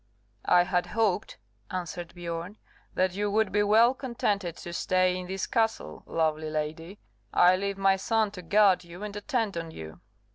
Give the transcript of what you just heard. "I had hoped," answered Biorn, "that you would be well contented to stay in this castle, lovely lady; I leave my son to guard you and attend on you."